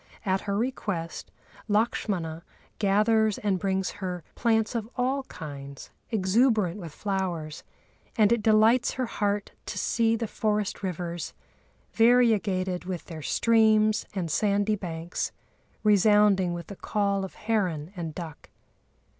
At her request Lakshmana gathers and brings her plants of all kinds, exuberant with flowers, and it delights her heart to see the forest rivers, variegated with their streams and sandy banks, resounding with the call of heron and duck.